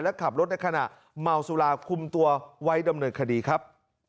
และขับรถในขณะเมาสุราคุมตัวไว้ดำเนินคดีครับ